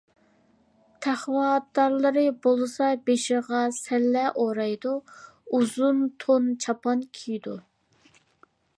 تەقۋادارلىرى بولسا بېشىغا سەللە ئورايدۇ، ئۇزۇن تون چاپان كىيىدۇ.